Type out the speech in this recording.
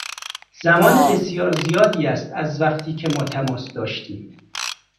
زمان بسیار زیادی است از وقتی که ما تماس داشتیم.